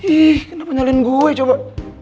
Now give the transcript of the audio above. ih kenapa nyalin gue coba